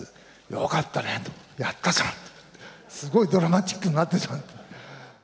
よかったね、やったじゃんと、すごいドラマチックになったじゃんって。